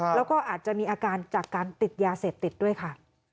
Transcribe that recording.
แล้วก็อาจจะมีอาการจากการติดยาเสพติดด้วยค่ะ